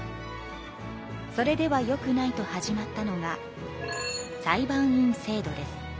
それではよくないと始まったのが裁判員制度です。